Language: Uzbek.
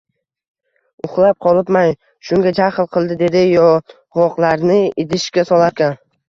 Uxlab qolibman, shunga jaxl qildi, dedi yong`oqlarni idishga solarkan